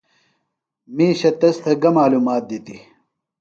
مِیشہ تس تھےۡ گہ معلومات دِتیۡ؟